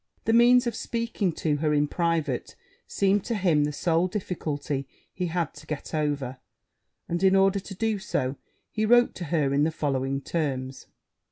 The means of speaking to her in private seemed to him the sole difficulty he had to get over: and, in order to do so, he wrote to her in the following terms.